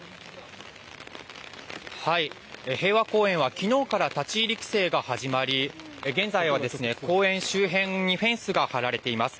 平和公園は昨日から立ち入り規制が始まり現在は公園周辺にフェンスが張られています。